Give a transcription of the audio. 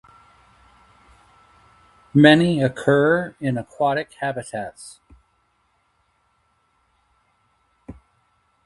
Many occur in aquatic habitats.